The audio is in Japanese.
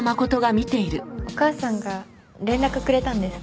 お母さんが連絡くれたんです。